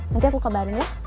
nanti aku kabarin ya